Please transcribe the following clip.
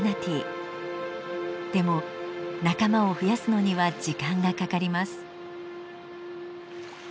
でも仲間を増やすのには時間がかかります。